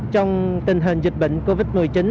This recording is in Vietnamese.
trong tình hình dịch bệnh covid một mươi chín